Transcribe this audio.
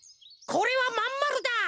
これはまんまるだ！